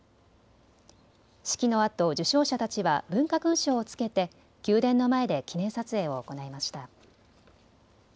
式のあと受章者たちは文化勲章をつけて宮殿の前で記念撮影を行いました。